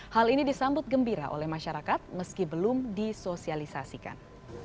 hal ini disambut gembira oleh masyarakat meski belum disosialisasikan